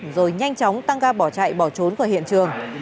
rồi nhanh chóng tăng ga bỏ chạy bỏ trốn khỏi hiện trường